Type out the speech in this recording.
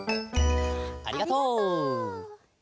ありがとう。